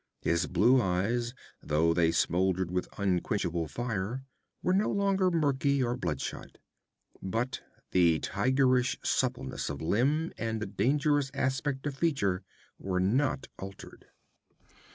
His blue eyes, though they smoldered with unquenchable fire, were no longer murky or bloodshot. But the tigerish suppleness of limb and the dangerous aspect of feature were not altered.